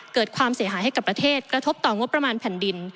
เกิดความเสียหายให้กับประเทศกระทบต่องบประมาณแผ่นดิน